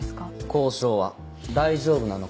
交渉は大丈夫なのかなぁと。